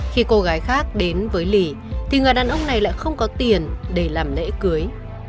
khi cô gái khác đến với lì thì người đàn ông này lại không có tiền để làm lễ cưới